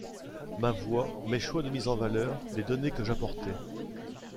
Ma voix, mes choix de mise en valeur, les données que j’apportais. ..